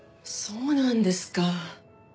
そうなんですか。